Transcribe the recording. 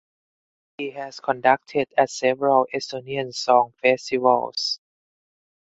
He has conducted at several Estonian Song Festivals.